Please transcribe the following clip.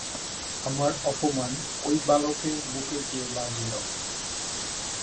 আমার অপমান ঐ বালকের বুকে গিয়ে বাজল।